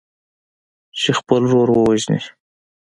چې خپل ورور ووژني.